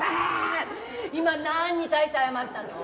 今なんに対して謝ったの？